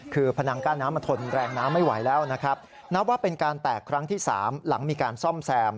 คือพนังกั้นน้ำมันทนแรงน้ำไม่ไหวแล้วนะครับนับว่าเป็นการแตกครั้งที่สามหลังมีการซ่อมแซม